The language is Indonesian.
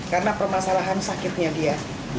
karena permasalahan sakitnya dia